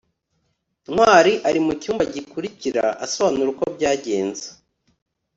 ntwali ari mucyumba gikurikira, asobanura uko byagenze